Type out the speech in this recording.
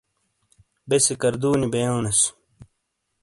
بے سکردو نی بئیونیس۔